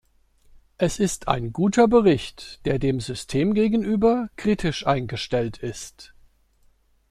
Es ist ein guter Bericht, der dem System gegenüber kritisch eingestellt ist.